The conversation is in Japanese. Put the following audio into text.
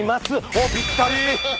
おっぴったり。